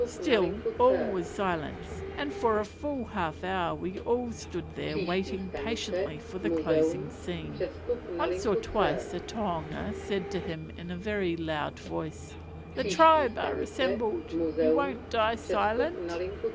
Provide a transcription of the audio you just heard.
Still all was silence, and for a full half hour we all stood there, waiting patiently for the closing scene. Once or twice the tohunga said to him in a very loud voice, "The tribe are assembled, you won't die silent?"